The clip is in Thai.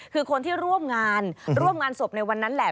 คือคนที่ร่วมงานร่วมงานศพในวันนั้นแหละ